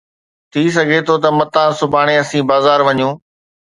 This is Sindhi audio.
ٿي سگھي ٿو ته متان سڀاڻي اسين بازار وڃون